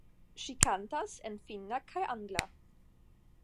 Ŝi kantas en finna kaj angla.